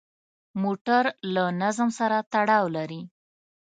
موټر له نظم سره تړاو لري.